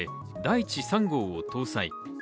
いち３号」を搭載。